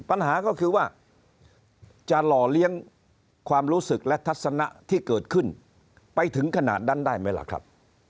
ปัญหาก็คือว่าจะหล่อเลี้ยงความรู้สึกและทัศนะที่เกิดขึ้นไปถึงขนาดนั้นได้ไหมล่ะครับ